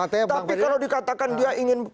tapi kalau dikatakan dia ingin